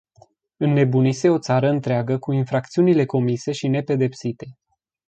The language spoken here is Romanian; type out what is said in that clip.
Înnebunise o țară întreagă cu infracțiunile comise și nepedepsite.